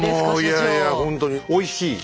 いやいやほんとにおいしい。